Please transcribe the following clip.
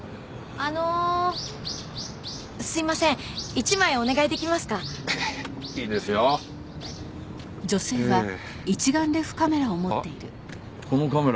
あっこのカメラ。